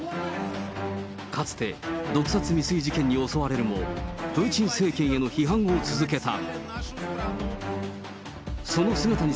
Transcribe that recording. かつて、毒殺未遂事件に襲われるも、プーチン政権への批判を続けた。